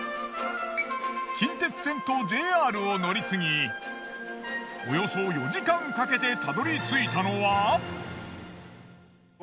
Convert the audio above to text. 近鉄線とＪＲを乗り継ぎおよそ４時間かけてたどり着いたのは。